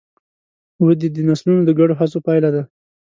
ودې د نسلونو د ګډو هڅو پایله ده.